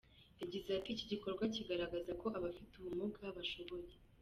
Yagize ati “Iki gikorwa kigaragaza ko abafite ubumuga bashoboye.